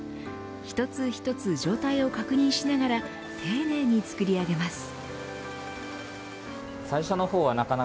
一つ一つ状態を確認しながら丁寧に作り上げます。